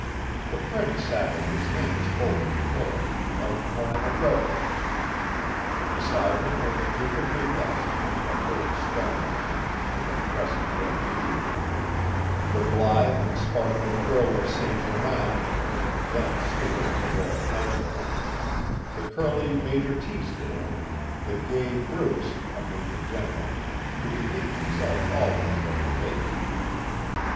The Prince sat with his hands folded before him, like one in a reverie. Beside him were the Duke of Newcastle, a big, stern man, with an aggressive red beard; the blithe and sparkling Earl of St Germans, then Steward of the Royal Household; the curly Major Teasdale; the gay Bruce, a major general, who behaved himself always like a lady.